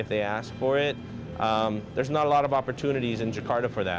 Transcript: banyak kali mereka menggunakannya dan saya tidak mau berbicara dengan anda